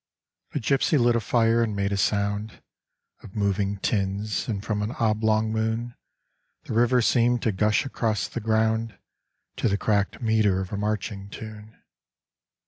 A gipsy lit a fire and made a sound Of moving tins, and from an oblong moon The river seemed to gush across the ground To the cracked metre of a marching tune.